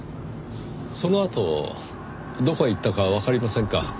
そのあとどこへ行ったかわかりませんか？